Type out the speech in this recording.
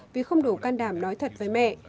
vì không đủ can đảm nói thật với mẹ